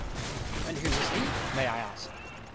"And who was he, may I ask?"